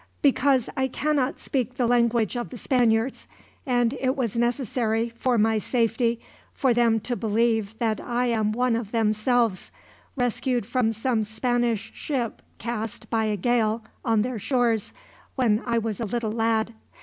"Because I cannot speak the language of the Spaniards; and it was necessary, for my safety, for them to believe that I am one of themselves, rescued from some Spanish ship cast, by a gale, on their shores when I was a little lad.